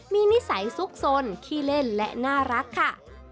มีนิสัยซุกสนขี้เล่นและน่ารักค่ะ